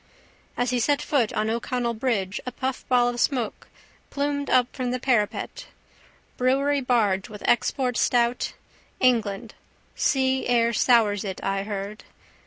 As he set foot on O'Connell bridge a puffball of smoke plumed up from the parapet. Brewery barge with export stout. England. Sea air sours it, I heard.